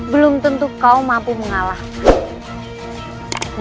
belum tentu kau mampu mengalahkan